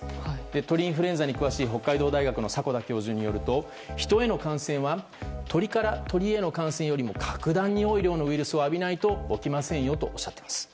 鳥インフルエンザに詳しい北海道大学の迫田教授によると人への感染は鳥から鳥への感染よりも格段に多い量のウイルスを浴びないと起きませんよとおっしゃっています。